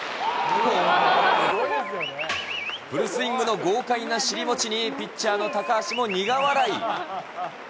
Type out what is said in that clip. フルスイングの豪快な尻もちにピッチャーの高橋も苦笑い。